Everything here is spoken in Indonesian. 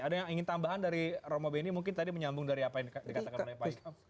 ada yang ingin tambahan dari romo beni mungkin tadi menyambung dari apa yang dikatakan oleh pak ikam